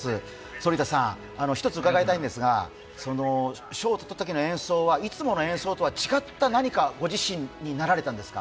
反田さん、１つ伺いたいんですが、賞をとったときの演奏は、いつもの演奏とは違ったご自身となられたんですか？